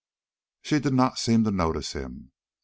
She did not seem to notice him.